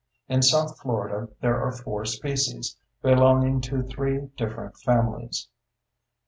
In south Florida there are four species, belonging to three different families.